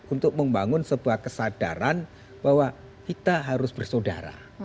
untuk membangun sebuah kesadaran bahwa kita harus bersaudara